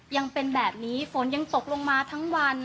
ยังเป็นแบบนี้ฝนยังตกลงมาทั้งวัน